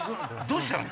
どうしたん？